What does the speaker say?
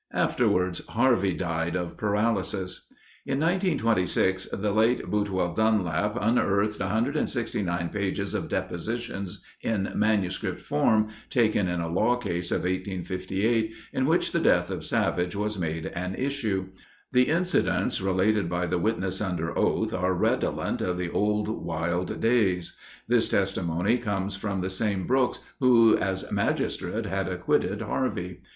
Afterwards, Harvey died of paralysis. In 1926 the late Boutwell Dunlap unearthed 169 pages of depositions in manuscript form, taken in a law case of 1858 in which the death of Savage was made an issue. The incidents related by the witness under oath are redolent of the old wild days. This testimony comes from the same Brooks who as magistrate had acquitted Harvey.